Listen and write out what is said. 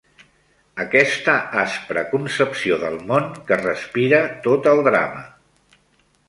Aquesta aspra concepció del món que respira tot el drama